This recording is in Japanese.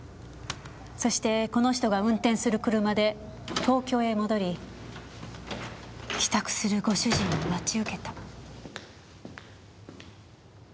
そしてこの人が運転する車で東京へ戻り帰宅するご主人を待ち受けた。